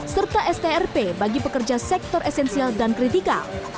serta strp bagi pekerja sektor esensial dan kritikal